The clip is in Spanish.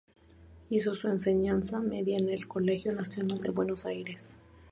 Hizo su enseñanza media en el Colegio Nacional de Buenos Aires.